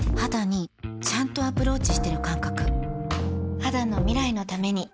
肌の未来のために